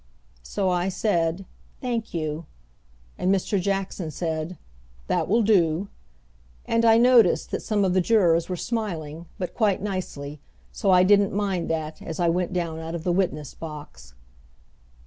So I said, "Thank you." And Mr. Jackson said, "That will do," and I noticed that some of the jurors were smiling, but quite nicely, so I didn't mind that, as I went down out of the witness box.